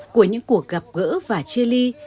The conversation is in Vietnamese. của những cuộc gặp gỡ và chia ly